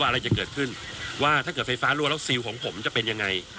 อะไรจะเกิดขึ้นว่าถ้าเกิดไฟฟ้ารั่วแล้วซิลของผมจะเป็นยังไง